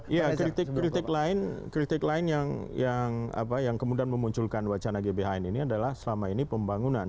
iya kritik lain yang kemudian memunculkan wacana gbhn ini adalah selama ini pembangunan